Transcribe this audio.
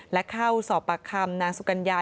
และเข้าสอบปากคำนางสุกัญญา